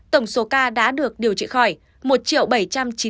tổng số ca đã được điều trị khỏi một bảy trăm chín mươi bốn